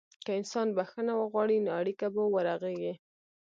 که انسان بخښنه وغواړي، نو اړیکه به ورغېږي.